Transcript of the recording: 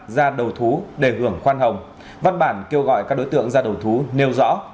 ra đầu thú để hưởng khoan hồng văn bản kêu gọi các đối tượng ra đầu thú nêu rõ